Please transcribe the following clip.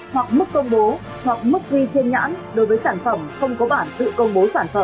hoặc mức công bố hoặc mức ghi trên nhãn đối với sản phẩm không có bản tự công bố sản phẩm